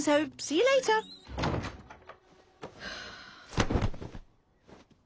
はあ。